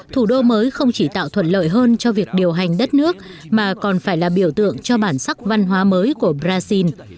thủ đô mới không chỉ tạo thuận lợi hơn cho việc điều hành đất nước mà còn phải là biểu tượng cho bản sắc văn hóa mới của brazil